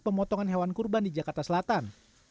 pemotongan hewan kurban di jakarta selatan